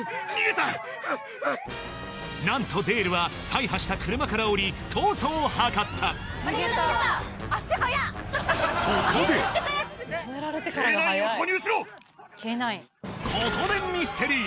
何とデールは大破した車から降り逃走を図ったそこでここでミステリー